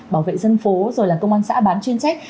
bảo vệ dân phố rồi là công an xã bán chuyên trách